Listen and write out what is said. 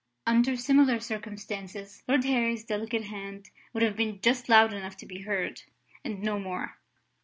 Under similar circumstances, Lord Harry's delicate hand would have been just loud enough to be heard, and no more.